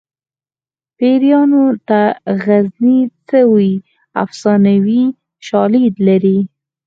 پیریانو ته غزني څه وي افسانوي شالید لري